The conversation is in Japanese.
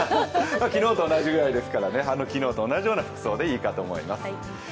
昨日と同じぐらいですから、昨日と同じような服装でいいと思います。